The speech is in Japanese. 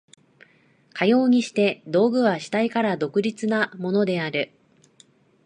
かようにして道具は主体から独立なものである。